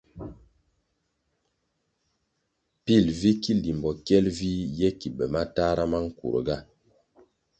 Pil vi ki limbo kyel vih ye ki be matahra ma nkurga.